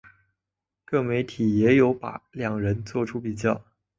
各媒体也有把两人作出比较。